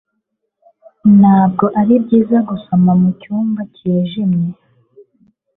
Ntabwo ari byiza gusoma mu cyumba cyijimye